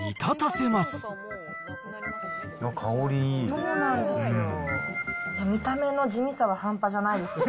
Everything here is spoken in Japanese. そうなんですよ。